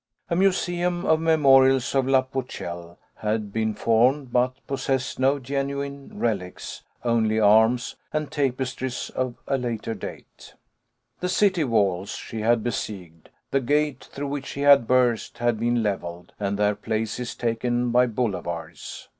A museum of memorials of la Pucelle had been formed, but possessed no genuine relics, only arms and tapestries of a later date. The city walls she had besieged, the gate through which she had burst, had been levelled, and their places taken by boulevards.